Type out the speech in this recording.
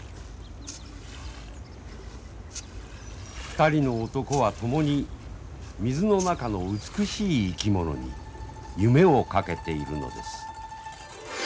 ２人の男はともに水の中の美しい生き物に夢を懸けているのです。